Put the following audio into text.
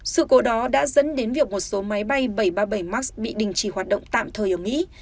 sự cố đó đã dẫn đến việc một số máy bay bảy trăm ba mươi bảy max bị đình chỉ hoạt động tạm thời ở mỹ